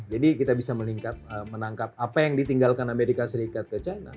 jadi kita bisa meningkat menangkap apa yang ditinggalkan amerika serikat ke china